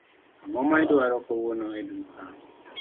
Ango ma idwaro kawuono e duka?